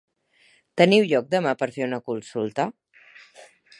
Teniu un lloc demà per fer una consulta?